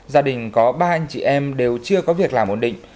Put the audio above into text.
gia đình có ba anh chị em đều chưa có việc làm ổn định